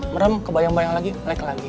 merem kebayang bayang lagi naik lagi